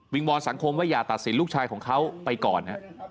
วอนสังคมว่าอย่าตัดสินลูกชายของเขาไปก่อน